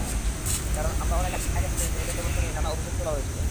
কারণ, আমরা অনেক আগে থেকে নির্বাচনব্যবস্থা নিয়ে নানা অভিযোগ তোলা হয়েছিল।